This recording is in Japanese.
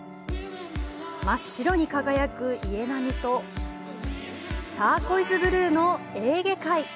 真っ白に輝く家並みとターコイズブルーのエーゲ海。